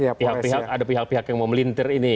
jadi ini ada pihak pihak yang mau melintir ini